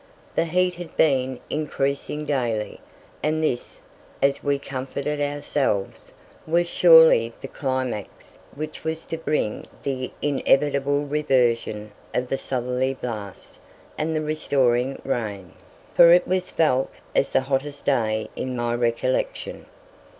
The heat had been increasing daily, and this, as we comforted ourselves, was surely the climax which was to bring the inevitable reversion of the southerly blast and the restoring rain, for it was felt as the hottest day in my recollection.